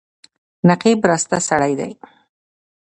نقيب راسته سړی دی.